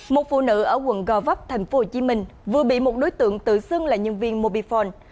một phụ nữ ở quận gò vấp tp hcm vừa bị một đối tượng tự xưng là nhân viên mobifone